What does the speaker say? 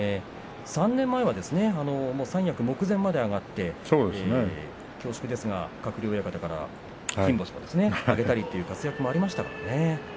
３年前は三役目前まで上がって恐縮ですが、鶴竜親方から金星を挙げたり活躍がありましたからね。